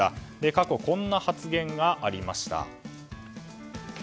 過去こんな発言がありました。